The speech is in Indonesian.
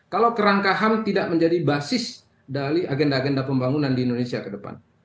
kalau kerangka ham tidak menjadi basis dari agenda agenda pembangunan di indonesia ke depan